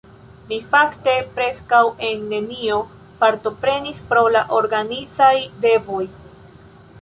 Mi fakte preskaŭ en nenio partoprenis pro la organizaj devoj.